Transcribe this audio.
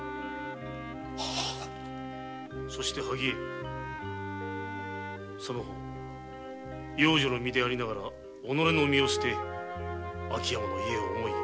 そして萩絵その方養女の身でありながら己の身を捨て秋山の家を思い